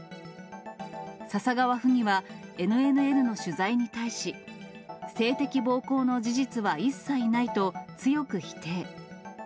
笹川府議は、ＮＮＮの取材に対し、性的暴行の事実は一切ないと強く否定。